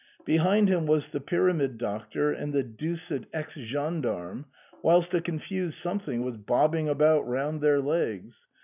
Behind him was the Pjrramid Doctor and the deuced ex gendarme, whilst a confused something was bobbing about round their legs.